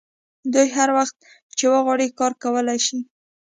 دوی هر وخت چې وغواړي کار کولی شي